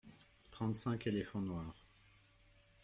Trente-cinq éléphants noirs.